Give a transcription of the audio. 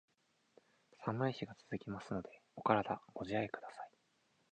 寒い日が続きますので、お体ご自愛下さい。